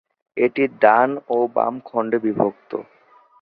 এটি ডান ও বাম খণ্ডে বিভক্ত।